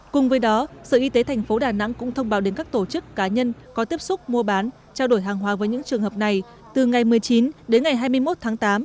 cùng với đó sở y tế thành phố đà nẵng cũng thông báo đến các tổ chức cá nhân có tiếp xúc mua bán trao đổi hàng hóa với những trường hợp này từ ngày một mươi chín đến ngày hai mươi một tháng tám